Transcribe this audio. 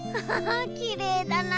きれいだな。